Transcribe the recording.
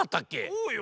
そうよ。